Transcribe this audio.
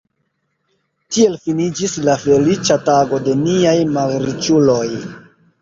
Tiel finiĝis la feliĉa tago de niaj malriĉuloj.